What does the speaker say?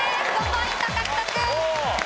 ５ポイント獲得！